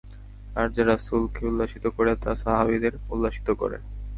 আর যা রাসূলকে উল্লসিত করে তা সাহাবীদের উল্লসিত করে।